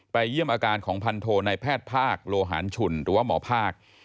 เยี่ยมอาการของพันโทในแพทย์ภาคโลหารชุนหรือว่าหมอภาค